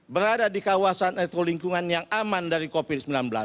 berada di kawasan atau lingkungan yang aman dari covid sembilan belas